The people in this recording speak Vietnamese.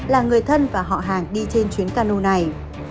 là người thân và họ hàng đi trên chuyến đi